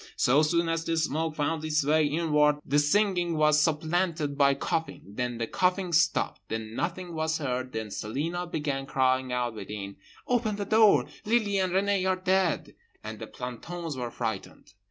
So soon as the smoke found its way inward the singing was supplanted by coughing; then the coughing stopped. Then nothing was heard. Then Celina began crying out within—"Open the door, Lily and Renée are dead"—and the plantons were frightened.